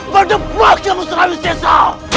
menepuk kemusnahan al sisa